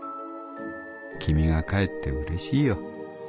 きみが帰ってうれしいよ』